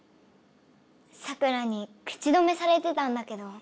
サクラに口止めされてたんだけど。